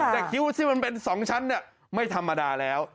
แต่คิ้วที่มันเป็น๒ชั้นไม่ธรรมดาแล้ว